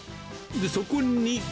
そこに。